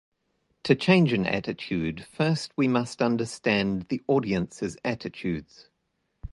To change an attitude, first we must understand the audience's attitudes.